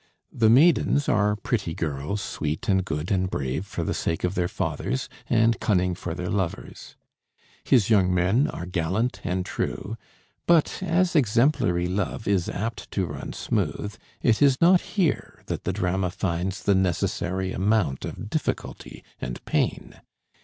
The maidens are pretty girls, sweet and good and brave for the sake of their fathers, and cunning for their lovers. His young men are gallant and true; but as exemplary love is apt to run smooth, it is not here that the drama finds the necessary amount of difficulty and pain.